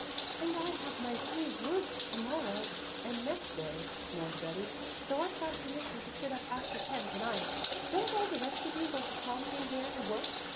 "And I have my three worst to morrow and next day," mourned Betty, "so I've got permission to sit up after ten to night. Don't all the rest of you want to come in here and work?